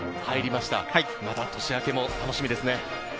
また年明けも楽しみですね。